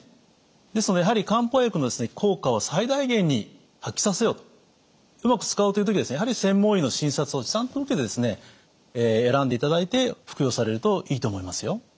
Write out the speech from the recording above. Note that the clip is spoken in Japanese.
ですのでやはり漢方薬の効果を最大限に発揮させようとうまく使おうという時はやはり専門医の診察をちゃんと受けて選んでいただいて服用されるといいと思いますよ。